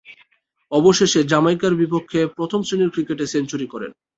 অবশেষে জামাইকার বিপক্ষে প্রথম-শ্রেণীর ক্রিকেটে সেঞ্চুরি করেন।